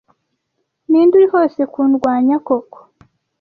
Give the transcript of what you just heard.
Ninde uri hose kundwanya koko